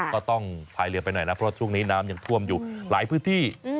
ก็ต้องพายเรือไปหน่อยนะเพราะช่วงนี้น้ำยังท่วมอยู่หลายพื้นที่